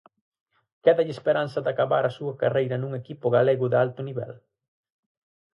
Quédalle esperanza de acabar a súa carreira nun equipo galego de alto nivel?